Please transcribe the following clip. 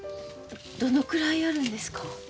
どのくらいあるんですか？